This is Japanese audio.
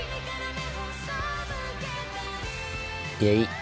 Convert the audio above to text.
いやいい。